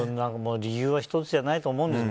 理由は１つじゃないと思うんです。